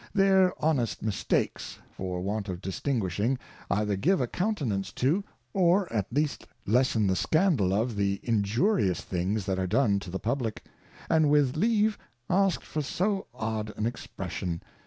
Their honest Mistakes, for want of distinguishing, either give a Countenance to, or at least lessen the Scandal of the injurious things that are done to the Publick : and with leave ask'd for so odd an expression.